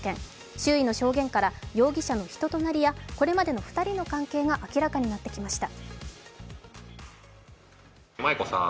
周囲の証言から容疑者の人となりやこれまでの２人の関係が明らかになってきました。